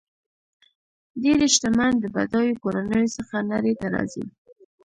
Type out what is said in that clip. ډېری شتمن د بډایو کورنیو څخه نړۍ ته راځي.